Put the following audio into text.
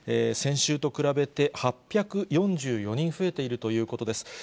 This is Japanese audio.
先週と比べて８４４人増えているということです。